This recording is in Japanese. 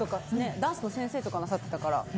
ダンスの先生とかなさってたから。